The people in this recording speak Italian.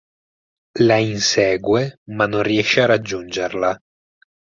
La insegue ma non riesce a raggiungerla.